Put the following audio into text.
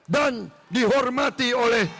dan dihormati oleh